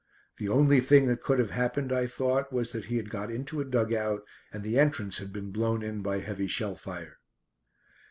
The only thing that could have happened, I thought, was that he had got into a dug out, and the entrance had been blown in by heavy shell fire.